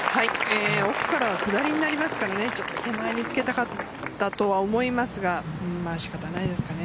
奥からは下りになりますから手前につけたかったと思いますが仕方ないですかね。